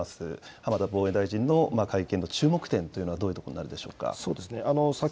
浜田防衛大臣の会見の注目点というのはどういうところになるでしょうか。